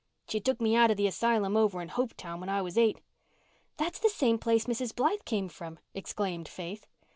She took me out of the asylum over in Hopetown when I was eight." "That's the same place Mrs. Blythe came from," exclaimed Faith.